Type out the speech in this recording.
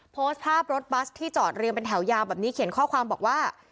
โพสต์ภาพรถบัสที่จอดเรียงเป็นแถวยาวแบบนี้เขียนข้อความบอกว่า